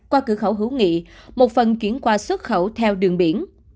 qua cửa khẩu hữu nghị một phần chuyển qua xuất khẩu theo đường biển